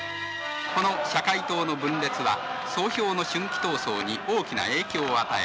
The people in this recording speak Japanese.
この社会党の分裂は総評の春季闘争に大きな影響を与え